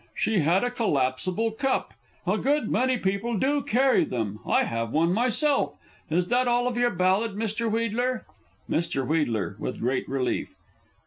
"She had a collapsible cup." A good many people do carry them. I have one myself. Is that all of your Ballad, Mr. Wheedler? Mr. W. (_with great relief.